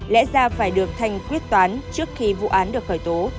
lẽ ra phải được thành quyết toán trước khi vụ án được khởi tố